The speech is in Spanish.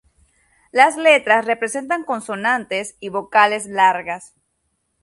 Las letras representan consonantes o vocales largas.